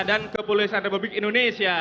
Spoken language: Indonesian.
dan kepolisian republik indonesia